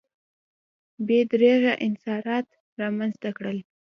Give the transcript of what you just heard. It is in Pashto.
بې دریغه انحصارات رامنځته کړل.